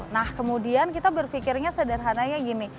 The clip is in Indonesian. nah kemudian kita berpikirnya sederhananya gini